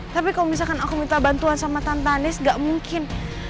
tapi kalau misalkan aku minta bantuan sama tantanis gak mungkin